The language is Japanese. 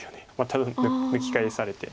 多分抜き返されて。